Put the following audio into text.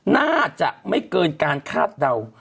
น่าจะไม่เกินการคาดเดา